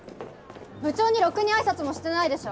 部長にろくに挨拶もしてないでしょ！